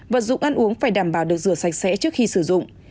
vật dụng ăn uống phải đảm bảo được rửa sạch sẽ trước khi sử dụng